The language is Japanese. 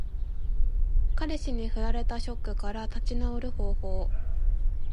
彼氏に振られたショックから立ち直る方法。